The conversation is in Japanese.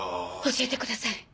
教えてください。